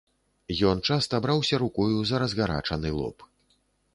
Ён часта браўся рукою за разгарачаны лоб.